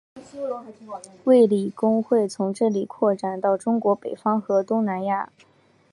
卫理公会从这里扩展到中国北方和东南亚。